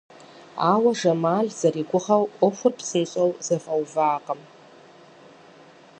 Ауэ Жамал зэригугъэу ӏуэхур псынщӏэу зэфӏэувакъым.